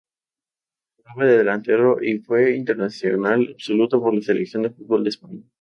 Jugaba de delantero y fue internacional absoluto por la Selección de fútbol de España.